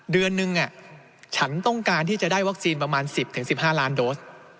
เดือนนึงฉันต้องการที่จะได้วัคซีนประมาณ๑๐๑๕ล้านโดส